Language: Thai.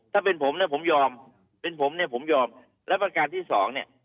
ถ้าเป็นผมนะผมยอมเป็นผมเนี่ยผมยอมแล้วประการที่สองเนี่ย